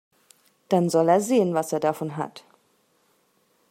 Dann soll er sehen, was er davon hat.